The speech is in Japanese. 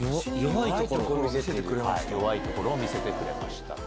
「弱いところを見せてくれました」。